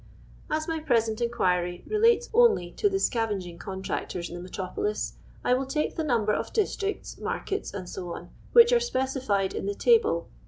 As my present inquiry relates only to the I Scavenging Contractors in the metropolis, I will i take the number of districts, markets, kc, which are specified in the table, p.